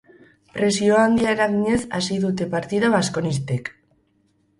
Presio handia eraginez hasi dute partida baskonistek.